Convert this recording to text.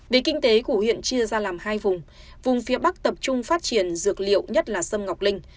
vì kinh tế của huyện chia ra làm hai vùng vùng phía bắc tập trung phát triển dược liệu nhất là sâm ngọc linh